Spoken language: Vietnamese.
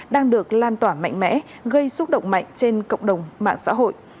đang được lan tỏa mạnh mẽ gây xúc động mạnh trên cộng đồng mạng xã hội